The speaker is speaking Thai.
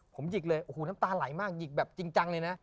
ผมหยิกเลยโอ้โหน้ำตาไหลมากหยิกแบบจริงจังเลยนะ